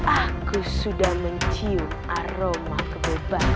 aku sudah mencium aroma keboba